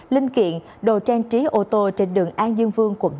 linh kiện đồ trang trí ô tô trên đường an dương vương quận năm tp hcm